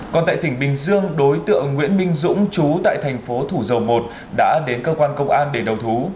còn tại tỉnh bình dương đối tượng nguyễn minh dũng chú tại thành phố thủ dầu một đã đến cơ quan công an để đầu thú